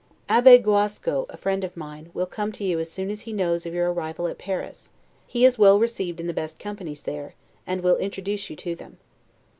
Abbe Guasco, a friend of mine, will come to you as soon as he knows of your arrival at Paris; he is well received in the best companies there, and will introduce you to them.